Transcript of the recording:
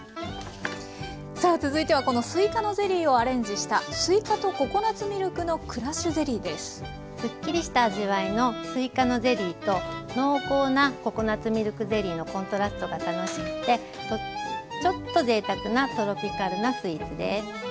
さあ続いてはこのすいかのゼリーをアレンジしたスッキリした味わいのすいかのゼリーと濃厚なココナツミルクゼリーのコントラストが楽しくてちょっとぜいたくなトロピカルなスイーツです。